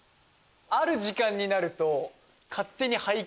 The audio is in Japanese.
ある時間になると。